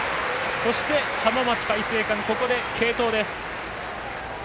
そして、浜松開誠館、ここで継投です。